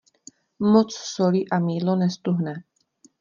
Moc soli a mýdlo neztuhne.